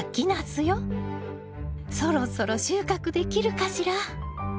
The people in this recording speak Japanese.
そろそろ収穫できるかしら？